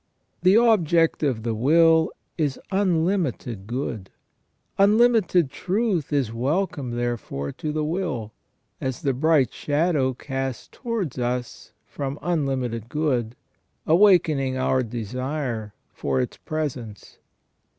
The object of the will is unlimited good ; unlimited truth is welcome there fore to the will, as the bright shadow cast towards us from unlimited good, awakening our desire for its presence.